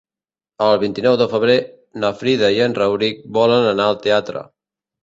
El vint-i-nou de febrer na Frida i en Rauric volen anar al teatre.